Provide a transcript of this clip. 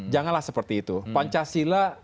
janganlah seperti itu pancasila